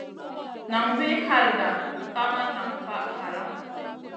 Naŋ wi halda, kamat nan faʼ halla.